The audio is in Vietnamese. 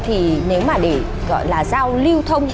thì nếu mà để gọi là giao lưu thông